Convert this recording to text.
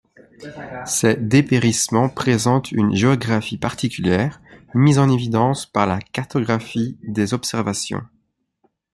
Ces dépérissements présentent une géographie particulière, mise en évidence par la cartographie des observations.